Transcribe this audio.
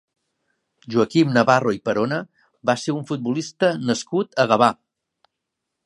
Joaquim Navarro i Perona va ser un futbolista nascut a Gavà.